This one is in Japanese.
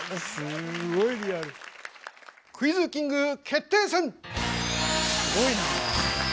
「クイズキング決定戦」！